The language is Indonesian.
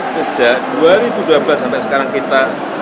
sejak dua ribu dua belas sampai sekarang kita